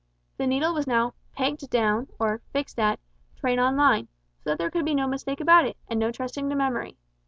The needle was now "pegged down" or fixed at "Train on line," so that there could be no mistake about it, and no trusting to memory.